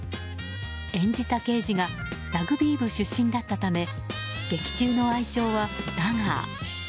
演じた刑事がラグビー部出身だったため劇中の愛称はラガー。